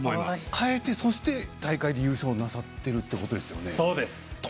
変えて、そして大会で優勝なさってるということですよね。